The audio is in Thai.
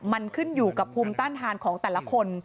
มันขึ้นอยู่กับภูมิต้านทานของแต่ละคน